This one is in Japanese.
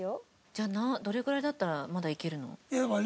じゃあどれぐらいだったらまだいけるの？